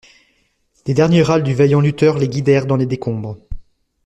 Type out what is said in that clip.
Les derniers râles du vaillant lutteur les guidèrent dans les décombres.